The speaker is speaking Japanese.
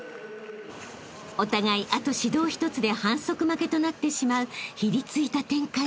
［お互いあと指導１つで反則負けとなってしまうひりついた展開。